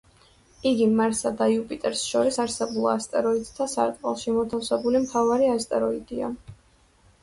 იგი მარსსა და იუპიტერს შორის არსებულ ასტეროიდთა სარტყელში მოთავსებული მთავარი ასტეროიდია.